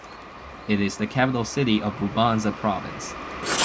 It is the capital city of Bubanza Province.